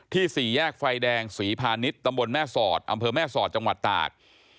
ที่๔แยกไฟแดงสพนิทตแม่สอดอแม่สอดจตาก